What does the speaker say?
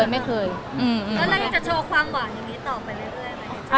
ไม่เคยค่ะ